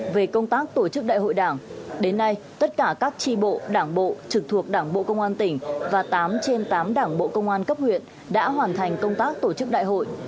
về công tác tổ chức đại hội đảng đến nay tất cả các tri bộ đảng bộ trực thuộc đảng bộ công an tỉnh và tám trên tám đảng bộ công an cấp huyện đã hoàn thành công tác tổ chức đại hội